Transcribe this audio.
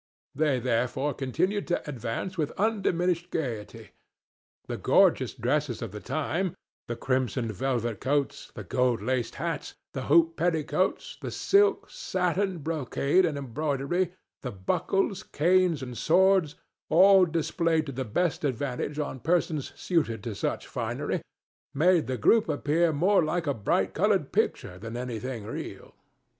They therefore continued to advance with undiminished gayety. The gorgeous dresses of the time—the crimson velvet coats, the gold laced hats, the hoop petticoats, the silk, satin, brocade and embroidery, the buckles, canes and swords, all displayed to the best advantage on persons suited to such finery—made the group appear more like a bright colored picture than anything real.